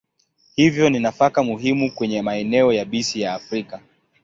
Hivyo ni nafaka muhimu kwenye maeneo yabisi ya Afrika.